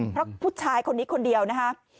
เพราะผู้ชายคนนี้คนเดียวนะคะ